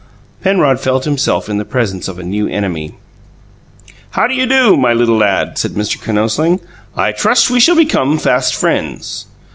Penrod felt himself in the presence of a new enemy. "How do you do, my little lad," said Mr. Kinosling. "I trust we shall become fast friends."